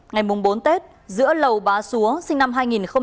ngày bốn tết giữa lầu bá xúa sinh năm hai nghìn ba